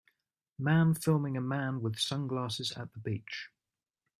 Man filiming a man with sunglasses at the beach.